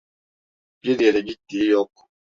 Bir yere gittiği yok.